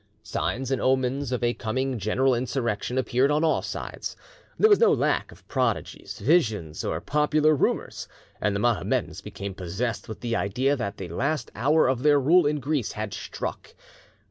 Signs and omens of a coming general insurrection appeared on all sides; there was no lack of prodigies, visions, or popular rumours, and the Mohammedans became possessed with the idea that the last hour of their rule in Greece had struck.